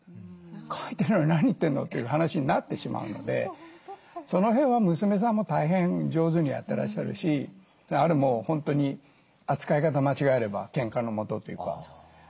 書いてたのに何言ってんの」という話になってしまうのでその辺は娘さんも大変上手にやってらっしゃるしあれもう本当に扱い方間違えればけんかの元というか。